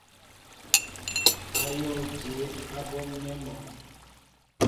Ayól jeé á ɓɔmnέ mɔ ?